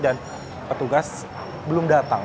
dan petugas belum datang